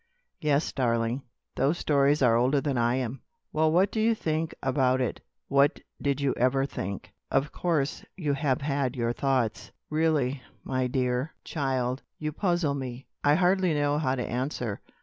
"Yes, darling. Those stories are older than I am." "Well, what do you think about it? What did you ever think? Of course, you have had your thoughts." "Really, my dear child, you puzzle me. I hardly know how to answer.